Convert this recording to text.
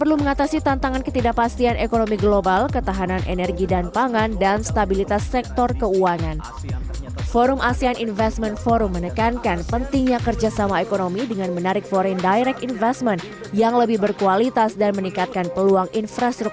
untuk itu perlu diperhatikan